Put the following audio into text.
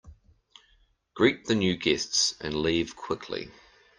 Greet the new guests and leave quickly.